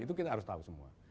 itu kita harus tahu semua